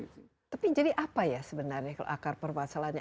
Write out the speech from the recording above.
tapi jadi apa ya sebenarnya kalau akar permasalahannya